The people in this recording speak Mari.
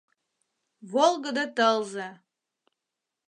Волгыдо тылзе!..